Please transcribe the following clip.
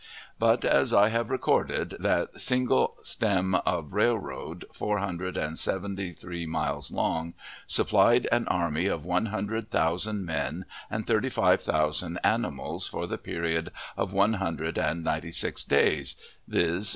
But, as I have recorded, that single stem of railroad, four hundred and seventy three miles long, supplied an army of one hundred thousand men and thirty five thousand animals for the period of one hundred and ninety six days, viz.